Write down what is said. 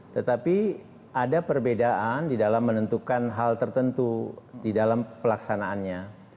tetapi ada perbedaan di dalam menentukan hal tertentu di dalam pelaksanaannya